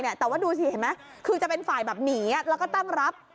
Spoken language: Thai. แต่ว่าดูสิเห็นไหมคือจะเป็นฝ่ายแบบหนีแล้วก็ตั้งรับ